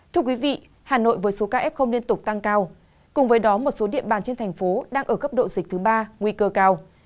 thưa quý vị hà nội với số ca f liên tục tăng cao cùng với đó một số địa bàn trên thành phố đang ở cấp độ dịch thứ ba nguy cơ cao